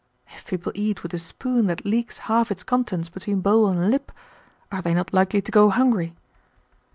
If people eat with a spoon that leaks half its contents between bowl and lip, are they not likely to go hungry?